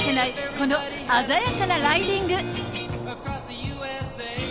この鮮やかなライディング。